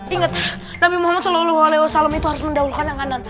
ingat nabi muhammad saw itu harus mendahulukan yang kanan